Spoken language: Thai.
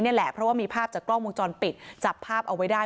เพราะว่ามีภาพจากกล้องมุมจรปิดจับภาพเอาไว้ได้